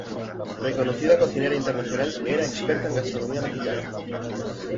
Reconocida cocinera internacional, era experta en gastronomía mexicana.